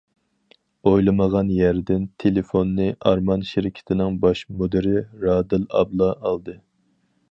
ئويلىمىغان يەردىن، تېلېفوننى ئارمان شىركىتىنىڭ باش مۇدىرى رادىل ئابلا ئالدى.